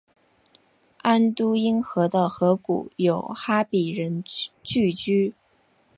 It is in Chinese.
安都因河的河谷有哈比人聚居。